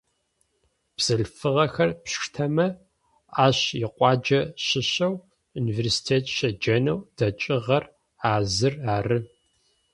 Бзылъфыгъэхэр пштэмэ, ащ икъуаджэ щыщэу, университет щеджэнэу дэкӏыгъэр а зыр ары.